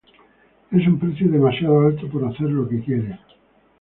Es un precio demasiado alto por hacer lo que quieres".